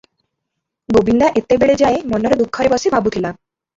ଗୋବିନ୍ଦା ଏତେବେଳେ ଯାଏ ମନର ଦୁଃଖରେ ବସି ଭାବୁଥିଲା ।